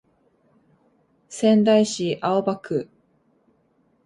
仙台市青葉区